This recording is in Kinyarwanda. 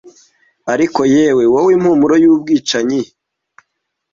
ariko yewe wowe impumuro yubwicanyi